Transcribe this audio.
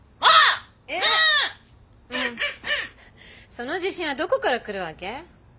その自信はどこから来るわけ？